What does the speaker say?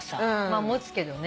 持つけどね。